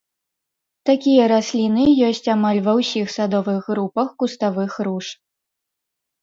Такія расліны ёсць амаль ва ўсіх садовых групах куставых руж.